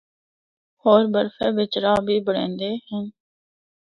ہور برفا بچ راہ بھی بنڑیندے ہن۔